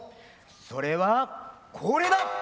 それはこれだ！